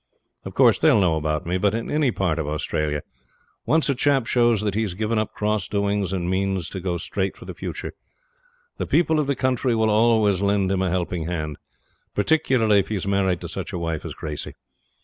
Of course they'll know about me; but in any part of Australia, once a chap shows that he's given up cross doings and means to go straight for the future, the people of the country will always lend him a helping hand, particularly if he's married to such a wife as Gracey.